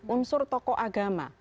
unsur tokoh agama